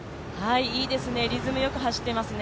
いいですね、リズムよく走っていますね。